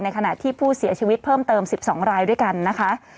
ขณะที่ผู้เสียชีวิตเพิ่มเติม๑๒รายด้วยกันนะคะ